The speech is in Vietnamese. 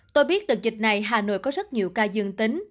tôi biết đợt dịch này hà nội có rất nhiều ca dương tính